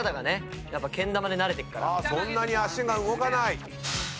そんなに足が動かない。